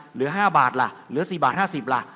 เหลือ๕บาทล่ะเหลือ๔บาท๕๐ล่ะ